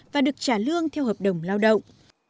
và được trả lương theo hợp đồng lao động